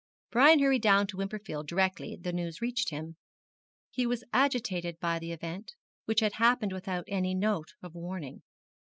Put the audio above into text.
Brian hurried down to Wimperfield directly the news reached him. He was agitated by the event, which had happened without any note of warning.